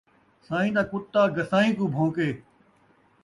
سئیں دا کتا گسائیں کوں بھون٘کے